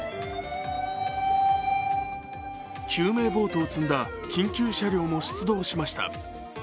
救命ボートを積んだ緊急車両も出動しました。